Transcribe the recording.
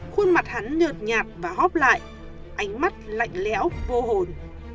khuôn mặt hắn nhợt nhạt và hóp lại ánh mắt lạnh lẽo vô hồn